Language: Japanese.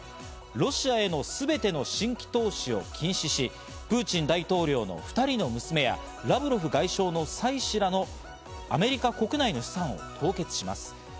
ロシアへのすべての新規投資を禁止し、プーチン大統領の２人の娘や、ラブロフ外相の妻子らのアメリカ国内の資産を凍結します。